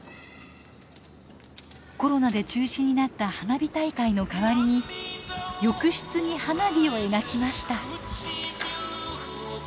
コロナで中止になった花火大会の代わりに浴室に花火を描きました。